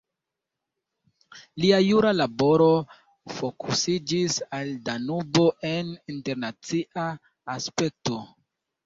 Lia jura laboro fokusiĝis al Danubo en internacia aspekto.